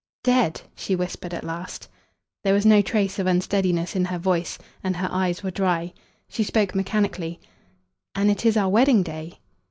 "Dead!" she whispered at last. There was no trace of unsteadiness in her voice and her eyes were dry. She spoke mechanically. "And it is our wedding day!